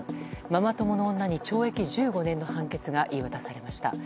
ママ友の女に懲役１５年の判決が言い渡されました。